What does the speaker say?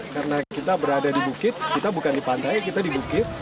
karena kita berada di bukit kita bukan di pantai kita di bukit